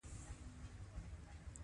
میراث د خور حق دی.